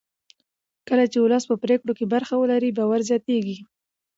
کله چې ولس په پرېکړو کې برخه ولري باور زیاتېږي